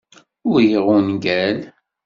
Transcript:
Uriɣ ungal.